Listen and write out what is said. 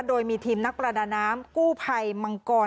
โดยมีทีมนักประดาน้ำกู้ภัยมังกร